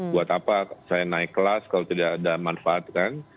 buat apa saya naik kelas kalau tidak ada manfaat kan